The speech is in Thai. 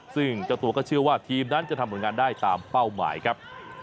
ซึ่งเจ้าตัวก็เชื่อว่าทีมนั้นจะทำผลงานได้ตามเป้าหมายครับ